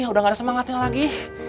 udah gak ada semangatnya lagi